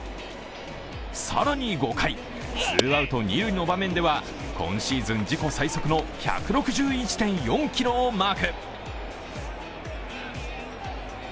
更に５回、ツーアウト二塁の場面では今シーズン自己最速の１６１．４キロをマーク。